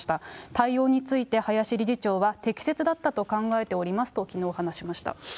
対応について林理事長は、適切だったと考えておりますときのう、話しました。